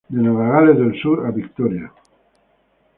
De Nueva Gales del Sur a Victoria.